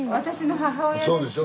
そうでしょ。